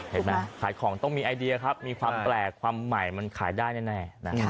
เห็นไหมขายของต้องมีไอเดียครับมีความแปลกความใหม่มันขายได้แน่